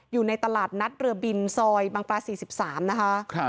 อยู่ในตลาดนัดเรือบินซอยบางปลา๔๓นะคะ